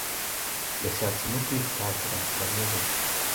Yashatse no kwitahira ndamubuza